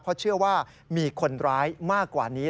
เพราะเชื่อว่ามีคนร้ายมากกว่านี้